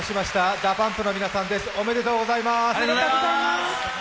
ＤＡＰＵＭＰの皆さんです、おめでとうございます。